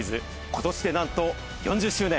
今年でなんと４０周年。